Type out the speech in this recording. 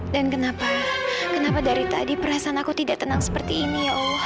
dan kenapa kenapa dari tadi perasaan aku tidak tenang seperti ini ya allah